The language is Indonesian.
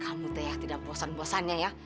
kamu tuh ya tidak bosan bosannya ya